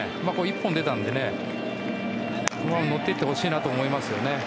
１本出たのでこのまま乗っていってほしいと思います。